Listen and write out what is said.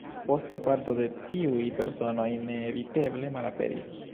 Poste parto de tiuj personoj neeviteble malaperis.